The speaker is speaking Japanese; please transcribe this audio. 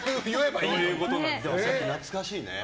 懐かしいね。